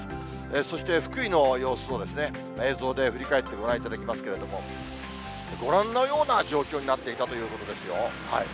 そして福井の様子を映像で振り返ってご覧いただきますけれども、ご覧のような状況になっていたということですよ。